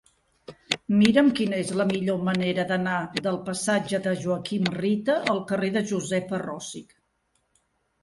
Mira'm quina és la millor manera d'anar del passatge de Joaquim Rita al carrer de Josefa Rosich.